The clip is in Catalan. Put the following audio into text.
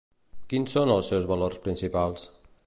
Quins són els seus valors principals?